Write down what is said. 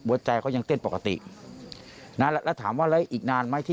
หัวใจเขายังเต้นปกติ